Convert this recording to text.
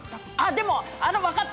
でも分かった。